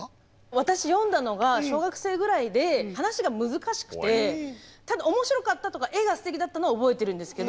私読んだのが小学生ぐらいで話が難しくて面白かったとか絵がすてきだったのは覚えてるんですけど。